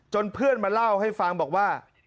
เพื่อนมาเล่าให้ฟังบอกว่า